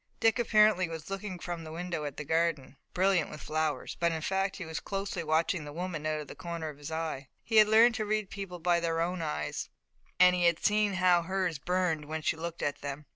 Dick apparently was looking from the window at the garden, brilliant with flowers, but in fact he was closely watching the woman out of the corner of his eye. He had learned to read people by their own eyes, and he had seen how hers burned when she looked at them.